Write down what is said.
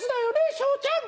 昇ちゃん。